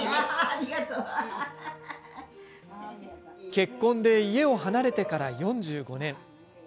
結婚で、家を離れてから４５年。